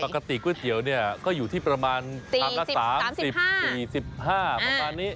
ปกติก๋วยเตี๋ยวเนี่ยก็อยู่ที่ประมาณภาคสามสี่สิบสามสิบห้าสี่สิบห้าประมาณนี้